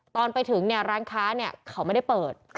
ตอนไปถึงร้านค้าเขาไม่ได้เปิด